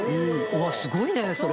すごいねそれ。